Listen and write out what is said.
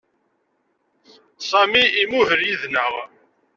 Sami imuhel yid-neɣ.